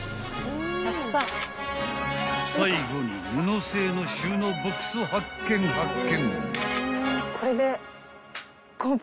［最後に布製の収納ボックスを発見発見］